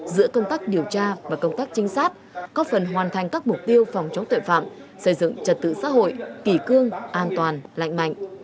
giữa công tác điều tra và công tác trinh sát có phần hoàn thành các mục tiêu phòng chống tội phạm xây dựng trật tự xã hội kỳ cương an toàn lạnh mạnh